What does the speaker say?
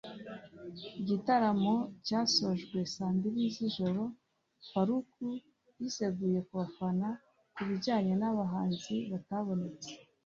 Igitaramo cyasojwe saa mbiri z’ijoro Faruku yisegura ku bafana ku bijyanye n’abahanzi batabonetse